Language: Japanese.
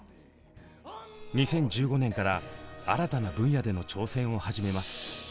２０１５年から新たな分野での挑戦を始めます。